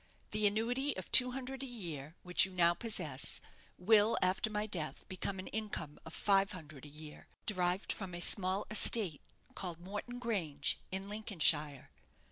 The annuity of two hundred a year which you now possess will, after my death, become an income of five hundred a year, derived from a small estate called Morton Grange, in Lincolnshire.